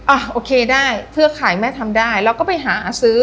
โอเคได้เพื่อขายแม่ทำได้เราก็ไปหาซื้อ